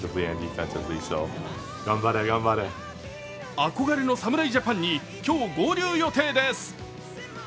憧れの侍ジャパンに今日、合流予定です。